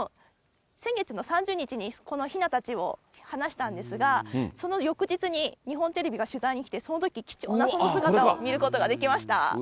先月の３０日にこのひなたちを放したんですが、その翌日に日本テレビが取材に来て、そのとき貴重なその姿を見ることができました。